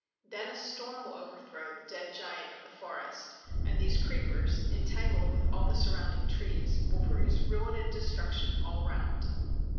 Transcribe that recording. Then a storm will overthrow the dead giant of the forest, and these creepers, entangled with all the surrounding trees, will produce ruin and destruction all around.